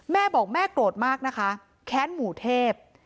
แม่บอกแม่โกรธมากนะคะแค้นหมู่เทพ